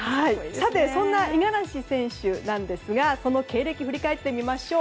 そんな五十嵐選手なんですがその経歴を振り返ってみましょう。